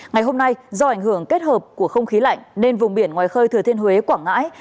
ngày hôm nay do ảnh hưởng kết hợp của không khí lạnh nên vùng biển ngoài khơi thừa thiên huế quảng ngãi